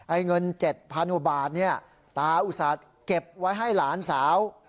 ไอ้เงิน๗๐๐๐บาทตาอุติศาสตร์เก็บไว้ให้หลานสาว